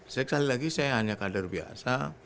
sekali lagi saya hanya kader biasa